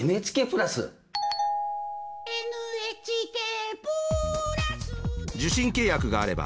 「ＮＨＫプラスで」